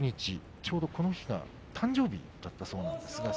ちょうど、この日が誕生日だったそうです。